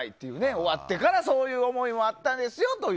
終わってから、そういう思いもあったんですよという